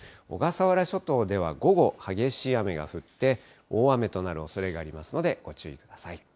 小笠原諸島では、午後、激しい雨が降って、大雨となるおそれがありますのでご注意ください。